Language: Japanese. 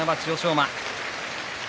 馬。